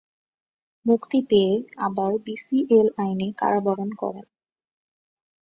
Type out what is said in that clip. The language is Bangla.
মুক্তি পেয়ে আবার বি সি এল আইনে কারাবরণ করেন।